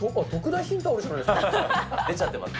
出ちゃってます。